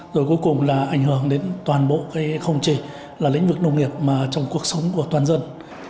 rồi cuối cùng là ảnh hưởng đến toàn bộ không chỉ là lĩnh vực nông nghiệp mà trong cuộc sống của toàn dân